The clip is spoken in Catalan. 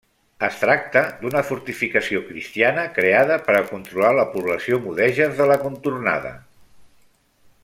Es tracta d'una fortificació cristiana creada per a controlar la població mudèjar de la contornada.